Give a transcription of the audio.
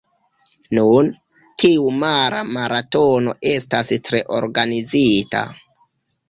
Nun, tiu mara maratono estas tre organizita.